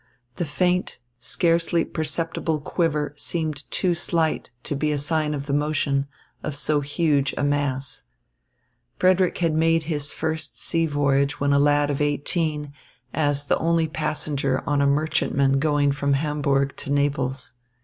The faint, scarcely perceptible quiver seemed too slight to be a sign of the motion of so huge a mass. Frederick had made his first sea voyage when a lad of eighteen as the only passenger on a merchantman going from Hamburg to Naples.